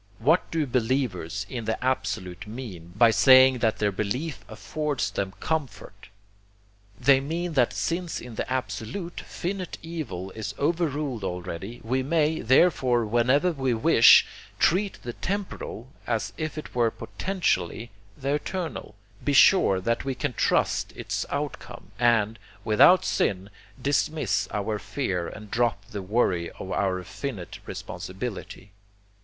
What do believers in the Absolute mean by saying that their belief affords them comfort? They mean that since in the Absolute finite evil is 'overruled' already, we may, therefore, whenever we wish, treat the temporal as if it were potentially the eternal, be sure that we can trust its outcome, and, without sin, dismiss our fear and drop the worry of our finite responsibility.